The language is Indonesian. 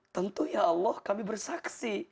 tentu ya allah kami bersaksi